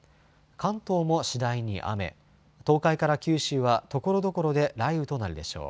関東も次第に雨、東海から九州はところどころで雷雨となるでしょう。